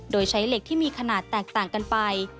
โดยใช้เหล็กที่มีขนาดแตกต่างกันไป